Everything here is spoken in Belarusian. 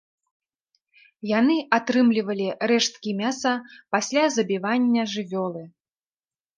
Яны атрымлівалі рэшткі мяса пасля забівання жывёлы.